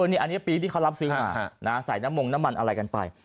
อันนี้ปีที่เขารับซื้อใส่น้ำมงน้ำมันอะไรกันไป